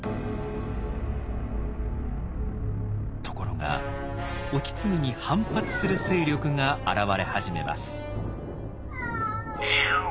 ところが意次に反発する勢力が現れ始めます。